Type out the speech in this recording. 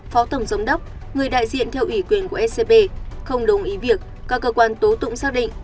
phó tổng giám đốc người đại diện theo ủy quyền của ecb không đồng ý việc các cơ quan tố tụng xác định